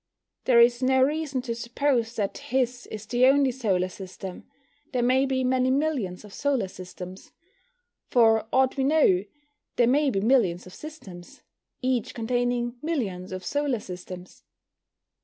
There is no reason to suppose that his is the only Solar System: there may be many millions of solar systems. For aught we know, there may be millions of systems, each containing millions of solar systems.